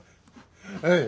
はい！